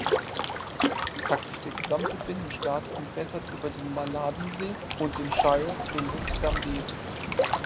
Praktisch der gesamte Binnenstaat entwässert über den Malawisee und den Shire in den Sambesi.